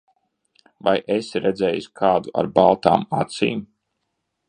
Vai esi redzējis kādu ar baltām acīm?